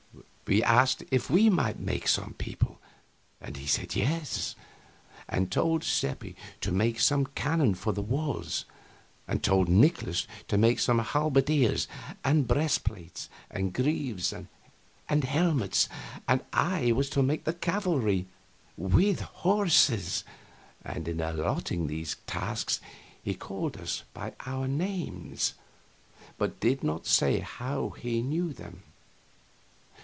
We asked if we might make some people, and he said yes, and told Seppi to make some cannon for the walls, and told Nikolaus to make some halberdiers, with breastplates and greaves and helmets, and I was to make some cavalry, with horses, and in allotting these tasks he called us by our names, but did not say how he knew them.